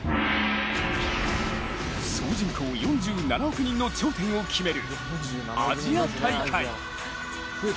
総人口４７億人の頂点を決めるアジア大会。